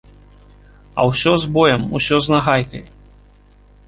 А ўсё з боем, ўсё з нагайкай.